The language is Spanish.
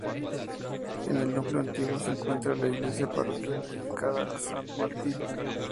En el núcleo antiguo se encuentra la iglesia parroquial dedicada a Sant Martí.